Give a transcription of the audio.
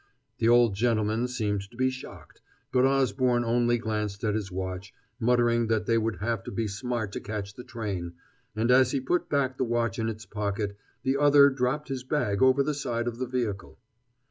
The old gentleman seemed to be shocked, but Osborne only glanced at his watch, muttering that they would have to be smart to catch the train; and as he put back the watch in its pocket, the other dropped his bag over the side of the vehicle.